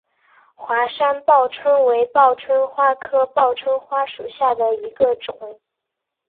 华山报春为报春花科报春花属下的一个种。